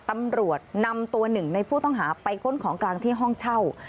ตำรวจนำตัวหนึ่งในผู้ต้องหาไปค้นของกลางที่ห้องเช่า